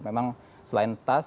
memang selain tas